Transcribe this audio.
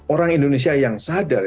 orang indonesia yang sadar